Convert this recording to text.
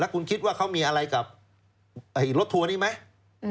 คุณคิดว่าเขามีอะไรกับรถทัวร์นี้ไหม